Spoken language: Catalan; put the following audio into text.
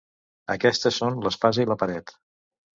Aquestes són l’espasa i la paret.